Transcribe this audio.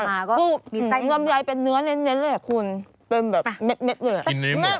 ไซส์ลำไย